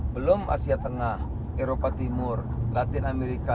belum asia tengah eropa timur latin amerika